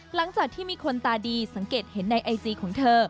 หลังจากที่มีคนตาดีสังเกตเห็นในไอจีของเธอ